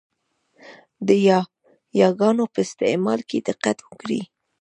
د یاګانو په استعمال کې دقت وکړئ!